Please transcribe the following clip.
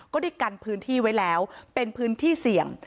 ก็ได้กันพื้นที่ไว้แล้วเป็นพื้นที่เสี่ยง